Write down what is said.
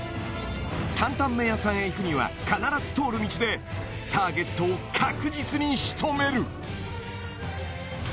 担々麺屋さんへ行くには必ず通る道でターゲットを確実にしとめる！